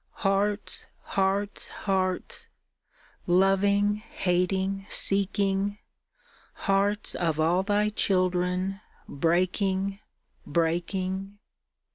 Hearts, hearts, hearts, loving, hating, seeking. Hearts of all Thy children, bretiking, breaking.